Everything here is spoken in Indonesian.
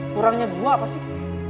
kurangnya gue apa sih